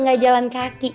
gak jalan kaki